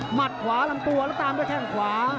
หมัดขวาลำตัวแล้วตามด้วยแข้งขวา